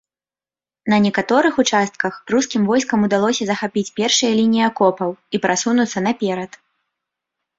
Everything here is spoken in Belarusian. На некаторых участках рускім войскам удалося захапіць першыя лініі акопаў і прасунуцца наперад.